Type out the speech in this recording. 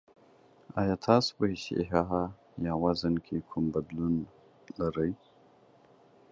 ایا تاسو په اشتها یا وزن کې کوم بدلون لرئ؟